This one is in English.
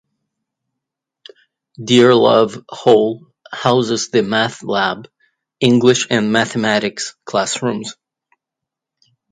Dearlove Hall houses the math lab, English and mathematics classrooms.